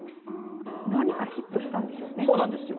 何かヒットしたんでしょうね。